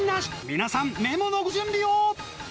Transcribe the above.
皆さんメモのご準備を。